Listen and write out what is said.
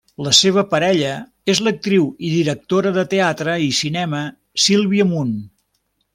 La seva parella és l'actriu i directora de teatre i cinema Sílvia Munt.